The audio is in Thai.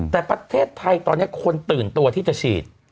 แต่ประเทศไทยตอนนี้คนตื่นตัวที่จะฉีด